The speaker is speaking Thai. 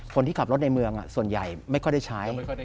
คนที่ขับรถในเมืองส่วนใหญ่ไม่ค่อยได้ใช้